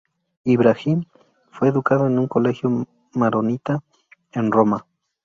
Ibrahim fue educado en un colegio Maronita en Roma.